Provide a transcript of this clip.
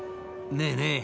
「ねえねえ